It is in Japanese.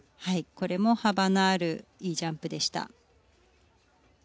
これも幅のあるいいジャンプでした。